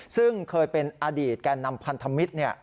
ซึ่งเคยเป็นอดีตแก่นำพันธมิตร